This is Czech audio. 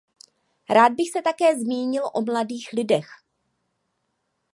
Rád bych se také zmínil o mladých lidech.